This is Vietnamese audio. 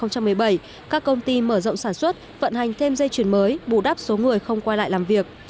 các công ty mở rộng sản xuất vận hành thêm dây chuyển mới bù đắp số người không quay lại làm việc